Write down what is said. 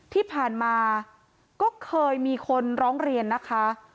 ที่ผ่านมาก็เคยมีคนร้องเรียนนะคะ